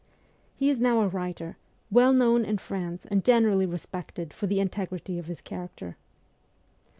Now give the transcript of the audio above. He is now a writer, well known in France and generally respected for the integrity of his character.